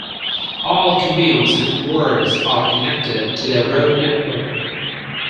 All communes and wards are connected to the road network.